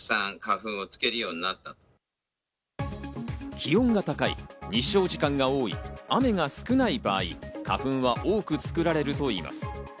気温が高い、日照時間が多い、雨が少ない場合、花粉が多く作られるといいます。